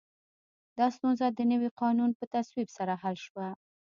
دا ستونزه د نوي قانون په تصویب سره حل شوه.